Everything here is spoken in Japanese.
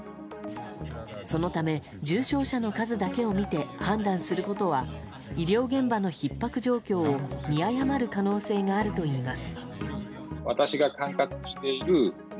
そのため、重症者の数だけを見て判断することは医療現場のひっ迫状況を見誤る可能性があるといいます。